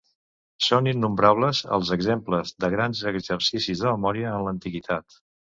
Són innombrables els exemples de grans exercicis de memòria en l'antiguitat.